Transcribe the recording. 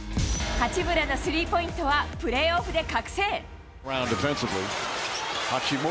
八村のスリーポイントはプレーオフで覚醒。